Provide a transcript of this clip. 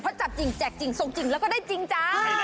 เพราะจับจริงแจกจริงทรงจริงแล้วก็ได้จริงจ้า